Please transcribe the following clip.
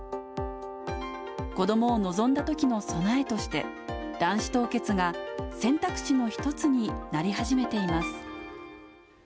子どもを望んだときの備えとして、卵子凍結が選択肢の一つになり始めています。